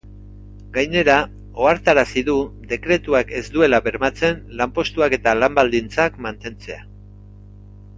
Gainera, ohartarazi du dekretuak ez duela bermatzen lanpostuak eta lan-baldintzak mantentzea.